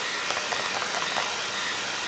ნაწილი კი საბჭოთა პერიოდისაა.